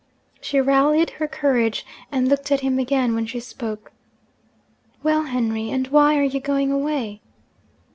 She rallied her courage, and looked at him again when she spoke. 'Well, Henry, and why are you going away?'